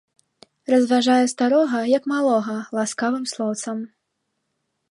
Разважае старога, як малога, ласкавым слоўцам.